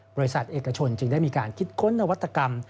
บริษัทเอกชนจึงได้มีการคิดค้นนวัตกรรม